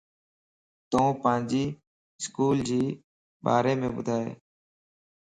تون پانجي اسڪولجي ڀاريم ٻڌائي